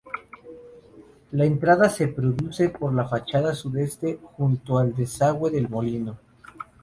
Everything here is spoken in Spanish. La entrada se produce por la fachada sudeste, junto al desagüe del molino.